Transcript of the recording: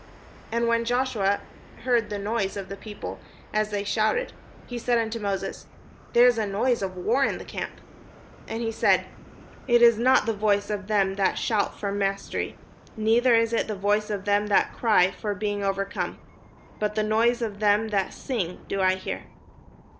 And when Joshua heard the noise of the people as they shouted, he said unto Moses: "There is a noise of war in the camp." And he said: " It is not the voice of them that shout for mastery, neither is it the voice of them that cry for being overcome; but the noise of them that sing do I hear."